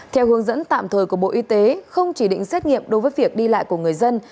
theo hướng dẫn tạm thời của bộ y tế không chỉ định xét nghiệm đối với việc đi lại của người dân